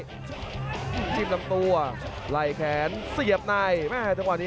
เตะซ้ายเจอตัดลำตัวแล้วเตะดูทุกซ้าย